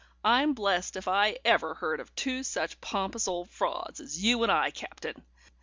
I'm blessed if I ever heard of two such pompous old frauds as you and I, Captain!